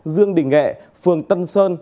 dương đình nghệ phường tân sơn